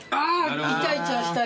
イチャイチャしたりとか。